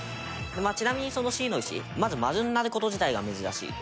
ちなみにそのＣの石まず丸になる事自体が珍しい。